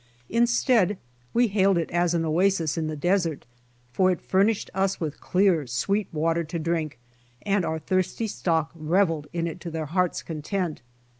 Instead we hailed it as an oasis in the desert, for it furnished us with clear sweet water to drink, and our thirsty stock reveled in it to their hearts' content.